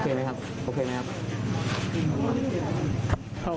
หลังจากที่สุดยอดเย็นหลังจากที่สุดยอดเย็น